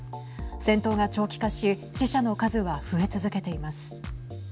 戦闘が長期化し死者の数は増え続けています。